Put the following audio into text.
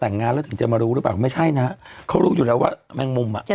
แต่งงานแล้วถึงจะมารู้หรือเปล่าไม่ใช่นะเขารู้อยู่แล้วว่าแมงมุมอ่ะ